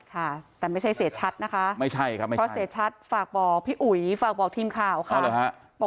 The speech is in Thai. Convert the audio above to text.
ค่ะแต่ไม่ใช่เสียชัดนะคะไม่ใช่ครับไม่ใช่เพราะเสียชัดฝากบอกพี่อุ๋ยฝากบอกทีมข่าวค่ะ